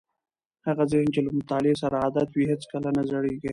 هغه ذهن چې له مطالعې سره عادت وي هیڅکله نه زړېږي.